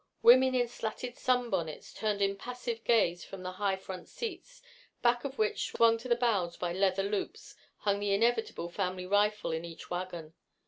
Women in slatted sunbonnets turned impassive gaze from the high front seats, back of which, swung to the bows by leather loops, hung the inevitable family rifle in each wagon.